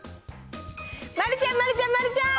丸ちゃん、丸ちゃん、丸ちゃん。